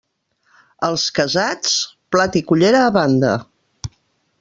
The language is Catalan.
Els casats, plat i cullera a banda.